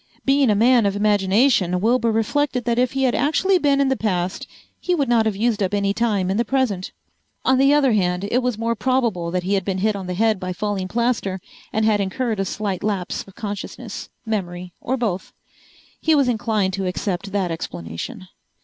Being a man of imagination, Wilbur reflected that if he had actually been in the past he would not have used up any time in the present. On the other hand, it was more probable that he had been hit on the head by falling plaster and had incurred a slight lapse of consciousness, memory, or both. He was inclined to accept that explanation.